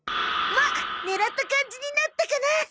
まあ狙った感じになったかな。